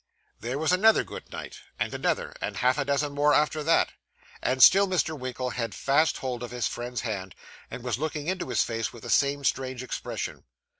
There was another good night, and another, and half a dozen more after that, and still Mr. Winkle had fast hold of his friend's hand, and was looking into his face with the same strange expression.